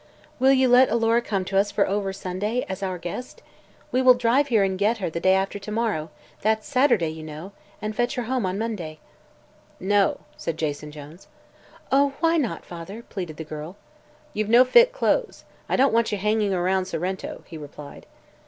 Will you let Alora come to us for ever Sunday, as our guest? We will drive here and get her the day after to morrow that's Saturday, you know and fetch her home on Monday." "No," said Jason Jones. "Oh, why not, father?" pleaded the girl. "You've no fit clothes. I don't want you hanging around Sorrento," he replied.